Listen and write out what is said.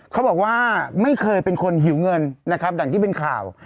เขาบอกว่าไม่เคยเป็นคนหิวเงินนะครับดังที่เป็นข่าว